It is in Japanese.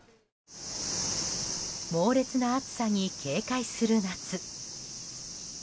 猛烈な暑さに警戒する夏。